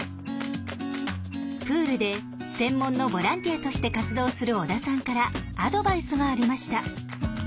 プールで専門のボランティアとして活動する織田さんからアドバイスがありました。